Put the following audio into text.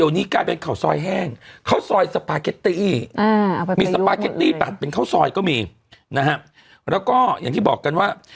แล้วก็อย่างที่บอกกันว่า